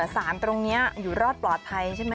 สารตรงนี้อยู่รอดปลอดภัยใช่ไหม